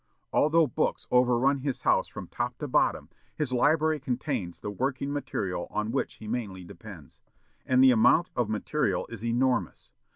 Although books overrun his house from top to bottom, his library contains the working material on which he mainly depends. And the amount of material is enormous.